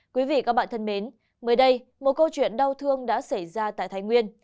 quý vị và các bạn thân mến mới đây một câu chuyện đau thương đã xảy ra tại thái nguyên